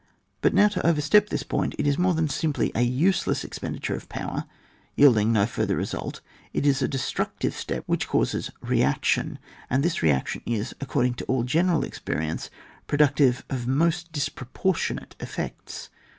But now, to overstep this point, is more than simply a useUas expenditare of power, yielding no further result, it is a destrwtive step which causes re action; and this re action is, according to all general experience, productive of most disproportionate effects.